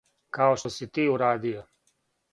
Као што си ти урадио.